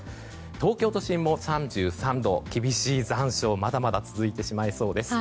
東京都心も３３度、厳しい残暑がまだまだ続いてしまいそうです。